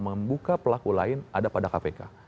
membuka pelaku lain ada pada kpk